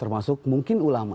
termasuk mungkin ulama